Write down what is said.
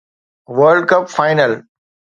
world cup final